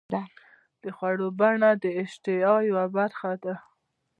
د خوړو بڼه د اشتها یوه برخه ده.